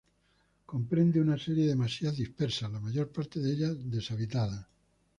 Comprende una serie de masías dispersas, la mayor parte de ellas deshabitadas.